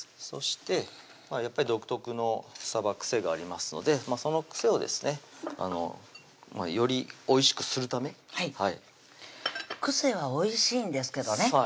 そしてやっぱり独特のさば癖がありますのでその癖をですねよりおいしくするため癖はおいしいんですけどね